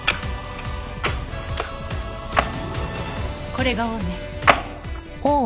これが「Ｏ」ね。